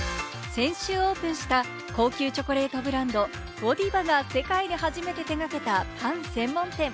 先週オープンした、高級チョコレートブランド・ゴディバが世界で初めて手がけたパン専門店。